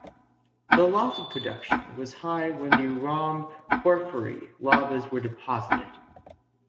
The lava production was high when the rhomb porphyry lavas were deposited.